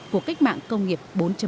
của cách mạng công nghiệp bốn